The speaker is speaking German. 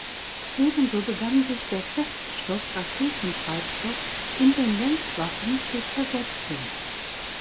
Ebenso begann sich der Feststoff-Raketentreibstoff in den Lenkwaffen zu zersetzen.